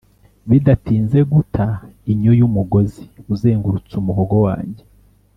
bidatinze guta inyo yumugozi uzengurutse umuhogo wanjye